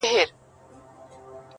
غټ منګول تېره مشوکه په کارېږي،،!